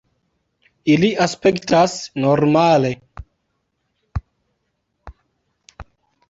Ili aspektas normale.